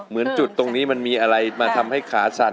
จุดตรงนี้มันมีอะไรมาทำให้ขาสั่น